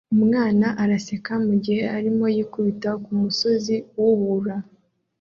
Umwana araseka mugihe arimo yikubita kumusozi wubura